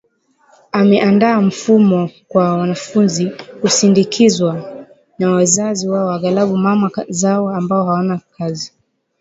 Ameandaa mfumo kwa wanafunzi kusindikizwa na wazazi wao aghlabu mama zao ambao hawana kazi